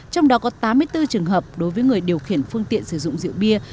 trong đó có tám mươi bốn trường hợp đối với người điều khiển phương tiện sử dụng rượu bia